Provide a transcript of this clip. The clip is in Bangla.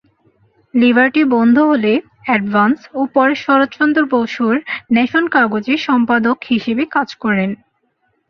লিবার্টি বন্ধ হলে 'অ্যাডভান্স' ও পরে শরৎচন্দ্র বসুর 'নেশন' কাগজে সম্পাদক হিসাবে কাজ করেন।